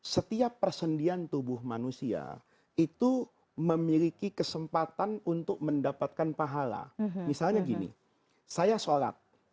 setiap persendian tubuh manusia itu memiliki kesempatan untuk mendapatkan pahala misalnya gini saya sholat